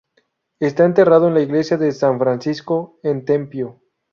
Está enterrado en la iglesia de San Francisco en Tempio.